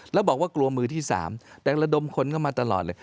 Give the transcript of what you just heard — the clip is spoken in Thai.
แล้วบอกว่ากลัวมือที่๓แต่ระดมคนเข้ามาตลอดเลย